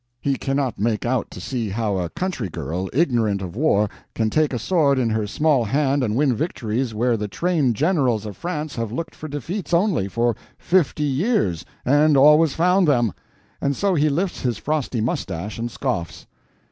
He cannot make out to see how a country girl, ignorant of war, can take a sword in her small hand and win victories where the trained generals of France have looked for defeats only, for fifty years—and always found them. And so he lifts his frosty mustache and scoffs."